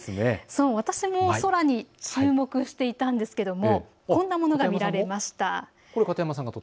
私も空に注目していたんですけれども、こんなものが見られました。